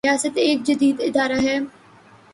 ریاست ایک جدید ادارہ ہے۔